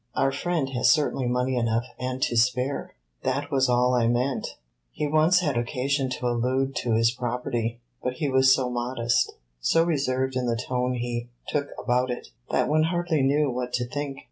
"Our friend has certainly money enough and to spare." "That was all I meant. He once had occasion to allude to his property, but he was so modest, so reserved in the tone he took about it, that one hardly knew what to think."